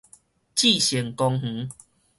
至善公園